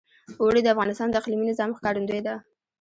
اوړي د افغانستان د اقلیمي نظام ښکارندوی ده.